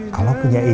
kalau punya izin